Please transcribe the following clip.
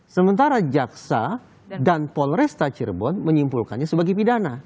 sementara jaksa dan polresta cirebon menyimpulkannya sebagai pidana